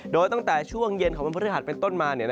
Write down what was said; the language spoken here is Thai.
โดยตั้งแต่ช่วงเย็นของวันพฤหัสเป็นต้นมา